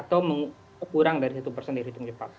atau kurang dari satu dari hitung cepat